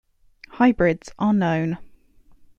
Hybrids are known.